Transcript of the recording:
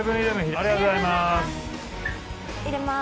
ありがとうございます。